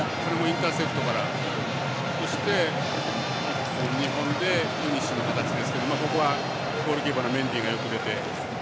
インターセプトからキック２本でフィニッシュの形ですがここはゴールキーパーのメンディがよく出て。